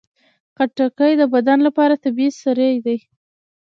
خټکی د بدن لپاره طبیعي سري دي.